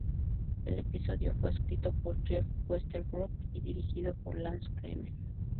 El episodio fue escrito por Jeff Westbrook y dirigido por Lance Kramer.